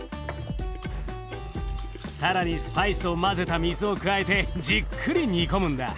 更にスパイスを混ぜた水を加えてじっくり煮込むんだ。